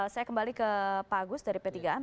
saya kembali ke pak agus dari p tiga m